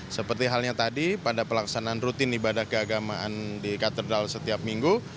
seperti halnya tadi pada pelaksanaan rutin ibadah keagamaan di katedral setiap minggu